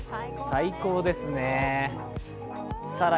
最高ですね。